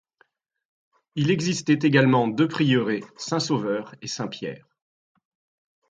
Il existait également deux prieurés, Saint-Sauveur et Saint-Pierre.